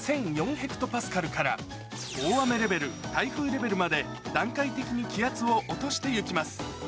ヘクトパスカルから、大雨レベル、台風レベルまで、段階的に気圧を落としていきます。